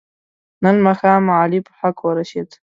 نن ماښام علي په حق ورسید.